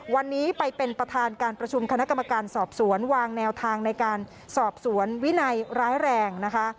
วันนี้ไปเป็นประธานการประชุมคณะกรรมการสอบสวนวางแนวทางในการสอบสวนวินัยร้ายแรงนะคะ